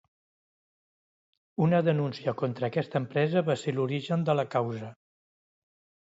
Una denúncia contra aquesta empresa va ser l'origen de la causa.